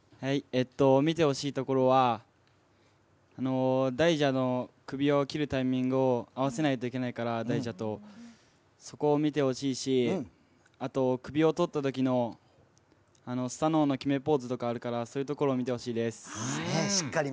見てほしいところは大蛇の首を切るタイミングを合わせないといけないからそこを見てほしいしあと、首をとったときのスサノオの決めポーズとかがあるから、見てほしいです。